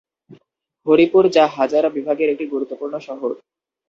হরিপুর যা হাজারা বিভাগের একটি গুরুত্বপূর্ণ শহর।